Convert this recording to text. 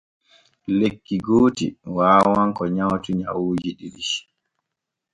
Lekki gooti waawan ko nywati nyawuuji ɗiɗi.